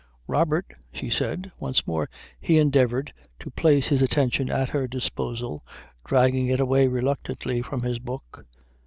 "Robert " she said. Once more he endeavoured to place his attention at her disposal, dragging it away reluctantly from his book.